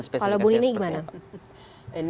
kalau bu lini gimana